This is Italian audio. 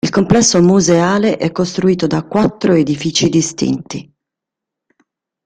Il complesso museale è costituito da quattro edifici distinti.